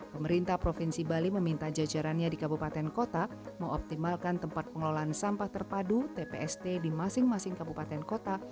pemerintah provinsi bali meminta jajarannya di kabupaten kota mengoptimalkan tempat pengelolaan sampah terpadu tpst di masing masing kabupaten kota